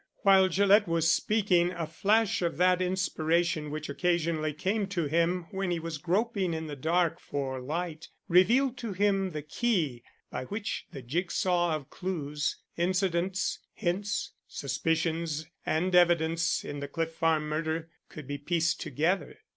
While Gillett was speaking a flash of that inspiration which occasionally came to him when he was groping in the dark for light revealed to him the key by which the jigsaw of clues, incidents, hints, suspicions, and evidence in the Cliff Farm murder could be pieced together.